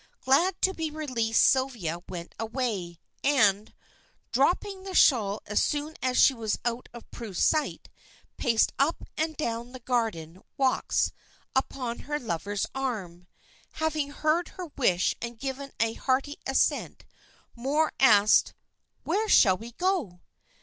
Glad to be released Sylvia went away, and, dropping the shawl as soon as she was out of Prue's sight, paced up and down the garden walks upon her lover's arm. Having heard her wish and given a hearty assent Moor asked "Where shall we go?